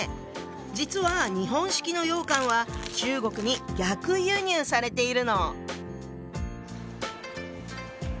実は日本式の羊羹は中国に逆輸入されているの。